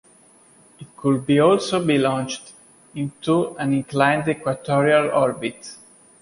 It could also be launched into an inclined equatorial orbit.